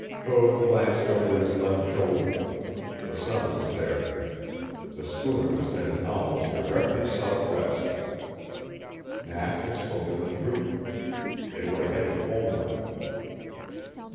Code glanced over his left shoulder. The sun was there. The schooner was headed almost directly southwest. Nat had spoken the truth. They were headed homeward.